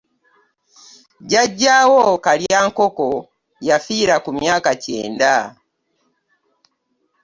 Jjajjawo Kalyankoko yafiira ku myaka kyenda.